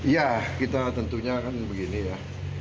ya kita tentunya kan begini ya